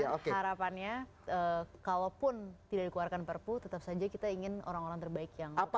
harapannya harapannya kalaupun tidak dikeluarkan prpu tetap saja kita ingin orang orang terbaik yang berada di kapal